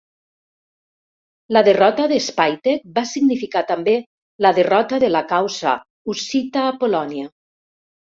La derrota de Spytek va significar també la derrota de la causa hussita a Polònia.